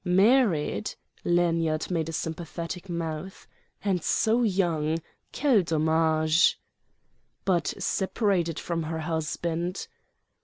"Married?" Lanyard made a sympathetic mouth. "And so young! Quel dommage!" "But separated from her husband."